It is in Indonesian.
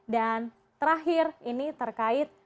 dan terakhir ini terkait